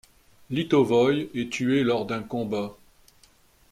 Litovoi est tué lors d'un combat.